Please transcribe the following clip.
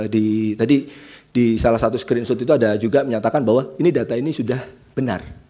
di tadi di salah satu screenshot itu ada juga menyatakan bahwa ini data ini sudah benar